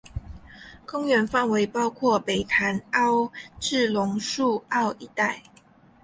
公园范围包括北潭凹至榕树澳一带。